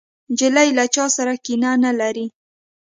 نجلۍ له چا سره کینه نه لري.